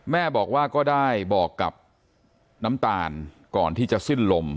แม่บอกว่าก็ได้บอกกับน้ำตาลก่อนที่จะสิ้นลม